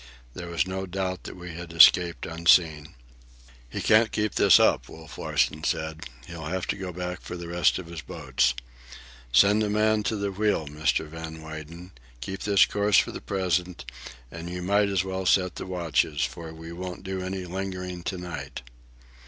There was no doubt that we had escaped unseen. "He can't keep this up," Wolf Larsen said. "He'll have to go back for the rest of his boats. Send a man to the wheel, Mr. Van Weyden, keep this course for the present, and you might as well set the watches, for we won't do any lingering to night."